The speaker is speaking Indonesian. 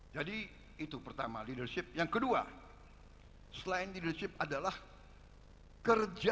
jadi itu pertama leadership yang kedua selain leadership adalah kerja